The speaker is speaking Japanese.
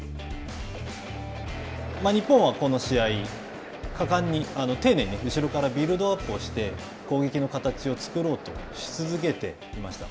日本はこの試合果敢に、丁寧に後ろからビルドアップをして、攻撃の形を作ろうとし続けていました。